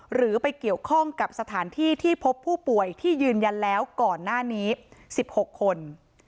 หรือไปเกี่ยวข้องกับสถานที่ที่พบผู้ป่วยที่ยืนยันแล้วก่อนหน้านี้๑๖คน